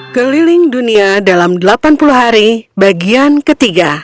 keliling dunia dalam delapan puluh hari bagian ketiga